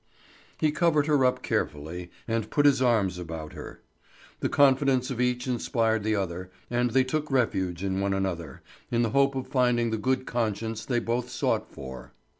He covered her up carefully, and put his arms about her. The confidence of each inspired the other, and they took refuge in one another, in the hope of finding the good conscience they both sought for.